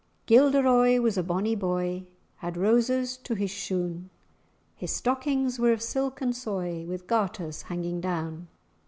"Gilderoy was a bonnie boy, Had roses to his shoon;[#] His stockings were of silken soy, With garters hanging down.